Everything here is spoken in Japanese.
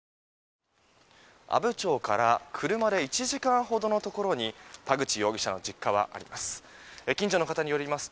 阿武町から車で１時間ほどのところに田口容疑者の実家はあります。